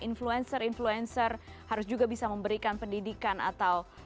influencer influencer harus juga bisa memberikan pendidikan atau